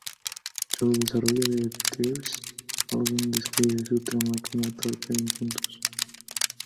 Sobre el desarrollo de Tyreese, Handlen describe su trama como "torpe en puntos".